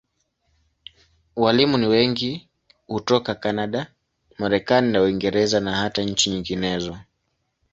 Walimu ni wengi hutoka Kanada, Marekani na Uingereza, na hata nchi nyinginezo.